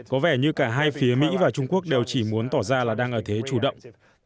có vẻ như cả hai phía mỹ và trung quốc đều chỉ muốn tỏ ra là đang ở thế chủ động